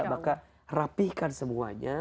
maka rapihkan semuanya